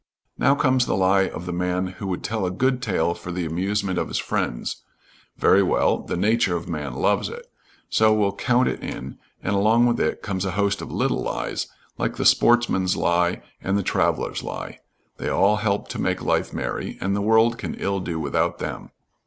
Now comes the lie of the man who would tell a good tale for the amusement of his friends; very well, the nature of man loves it, so we'll count it in, and along with it comes a host of little lies like the sportsman's lie and the traveler's lie they all help to make life merry, and the world can ill do without them.